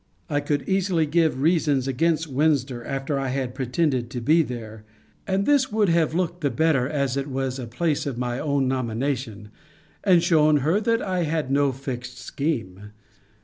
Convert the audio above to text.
I could easily give reasons against Windsor, after I had pretended to be there; and this would have looked the better, as it was a place of my own nomination; and shewn her that I had no fixed scheme.